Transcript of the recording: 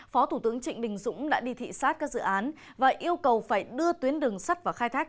phó thủ tướng trịnh đình dũng đã đi thị xát các dự án và yêu cầu phải đưa tuyến đường sắt vào khai thác